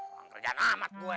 kurang kerjaan amat gue